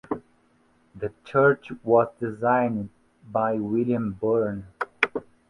The church was designed by William Burn.